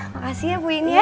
makasih ya bu eni ya